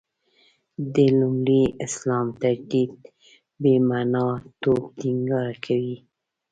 د لومړي اسلام تجدید «بې معنا» توب ټینګار کوي.